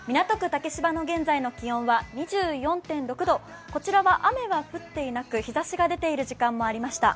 竹芝の現在の気温は２４．６度こちらは、雨は降っていなく、日ざしが出ている時間もありました。